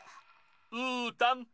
うーたん！